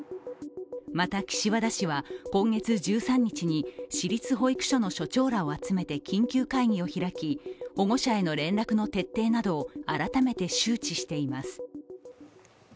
また、岸和田市は今月１３日に市立保育所の所長らを集めて緊急会議を開き、保護者への連絡の撤退などを改めて周知しています。